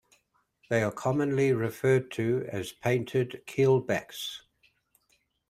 They are commonly referred to as painted keelbacks.